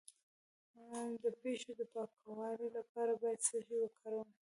د پښو د پاکوالي لپاره باید څه شی وکاروم؟